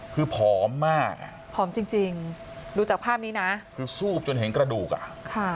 คือผอมมากอ่ะผอมจริงจริงดูจากภาพนี้นะคือซูบจนเห็นกระดูกอ่ะค่ะ